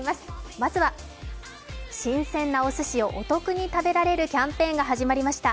まずは新鮮なおすしをお得に食べられるキャンペーンが始まりました。